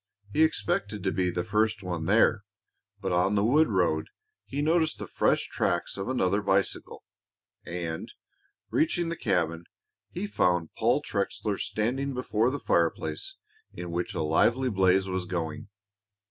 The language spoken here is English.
He expected to be the first one there, but on the wood road he noticed the fresh tracks of another bicycle, and, reaching the cabin, he found Paul Trexler standing before the fireplace, in which a lively blaze was going.